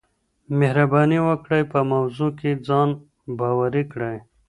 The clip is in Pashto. مهرباني وکړئ په موضوع کي ځان باوري کړئ.